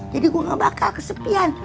jadi gua gak bakal kesepian